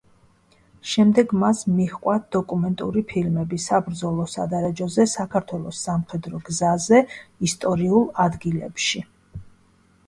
შემდეგ მას მიჰყვა დოკუმენტური ფილმები „საბრძოლო სადარაჯოზე“, „საქართველოს სამხედრო გზაზე“, „ისტორიულ ადგილებში“.